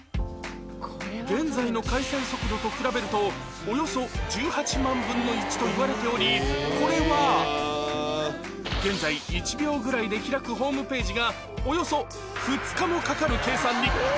現在の回線速度と比べるとおよそ１８万分の１といわれておりこれは現在１秒ぐらいで開くホームページがおよそ２日もかかる計算に